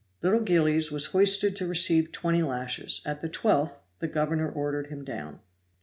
Little Gillies was hoisted to receive twenty lashes; at the twelfth the governor ordered him down.